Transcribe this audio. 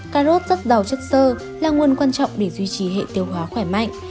cà rốt rất giàu chất sơ là nguồn quan trọng để duy trì hệ tiêu hóa khỏe mạnh